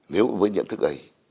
nếu với nhận thức ấy